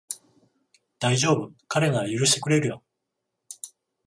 だいじょうぶ、彼なら許してくれるよ